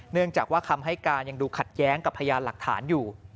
เนื่องจากว่าคำให้การยังดูขัดแย้งกับพยานหลักฐานอยู่